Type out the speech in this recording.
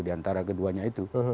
di antara keduanya itu